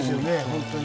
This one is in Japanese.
本当に。